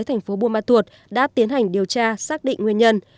thành phố buôn ma thuột đã tiến hành điều tra xác định nguyên nhân